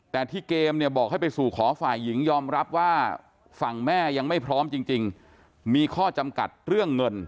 แต่ที่เกมเนี่ยบอกให้ไปสู่ขอฝ่ายหญิงยอมรับว่าฝั่งแม่ยังไม่พร้อมจริงมีข้อจำกัดเรื่องเงิน